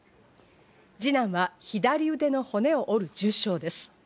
二男は左腕の骨を折る重傷です。